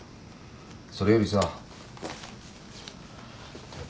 それよりさ。